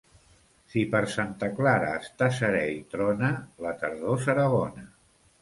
Si per Santa Clara està seré i trona, la tardor serà bona.